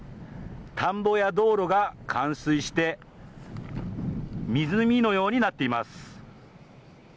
田んぼや道路が冠水して湖のようになっています。